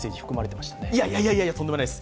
いやいやいやいや、とんでもないです！